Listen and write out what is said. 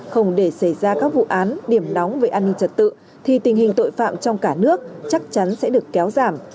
thì tình hình tội phạm trong cả nước chắc chắn sẽ được kéo giảm